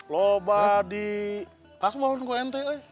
lo badi kasbon kau ente eh